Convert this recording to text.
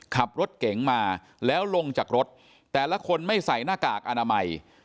ขับรถเก๋งมาแล้วลงจากรถแต่ละคนไม่ใส่หน้ากากอนามัย